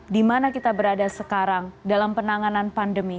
di mana kita berada sekarang dalam penanganan pandemi